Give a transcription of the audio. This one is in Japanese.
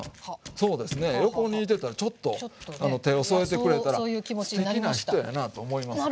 そうですね横にいてたらちょっと手を添えてくれたらすてきな人やなと思いますから。